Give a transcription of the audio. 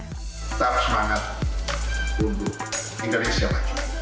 kita harus semangat untuk indonesia lagi